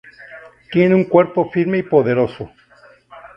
Tiene un cuerpo firme y poderoso.